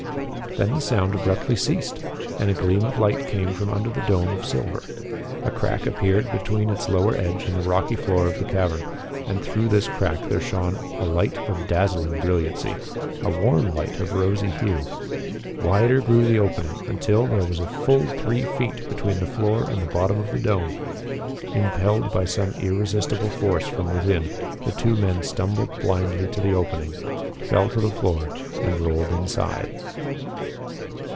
Then the sound abruptly ceased and a gleam of light came from under the dome of silver. A crack appeared between its lower edge and the rocky floor of the cavern, and through this crack there shone a light of dazzling brilliancy a warm light of rosy hue. Wider grew the opening until there was a full three feet between the floor and the bottom of the dome. Impelled by some irresistible force from within, the two men stumbled blindly to the opening, fell to the floor and rolled inside.